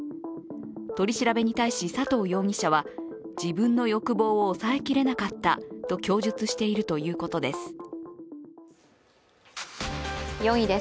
取り調べに対し佐藤容疑者は、自分の欲望を抑えきれなかったと供述しているということです。